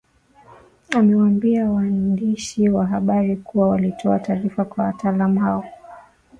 amewambia waandishi wa habari kuwa walitoa taarifa kwa wataalam hao